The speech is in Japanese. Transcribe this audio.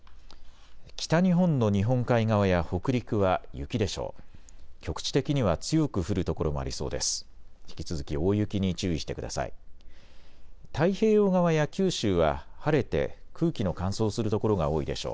北日本の日本海側や北陸は雪でしょう。